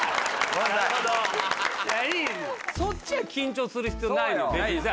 そっちは緊張する必要ないの別に。